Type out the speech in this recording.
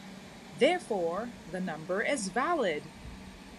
Therefore, the number is valid.